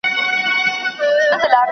¬ چي بې گدره گډېږي، خود بې سين وړي.